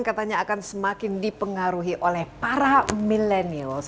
katanya akan semakin dipengaruhi oleh para milenials